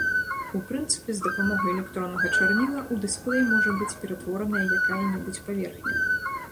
У прынцыпе, з дапамогай электроннага чарніла ў дысплей можа быць ператвораная якая-небудзь паверхня.